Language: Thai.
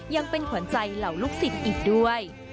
ยังเป็นขวัญใจเหล่าลูกศิษย์อีกด้วย